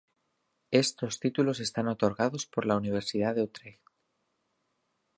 Estos títulos están otorgados por la Universidad de Utrecht.